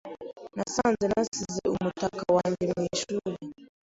Nasanze nasize umutaka wanjye mu ishuri.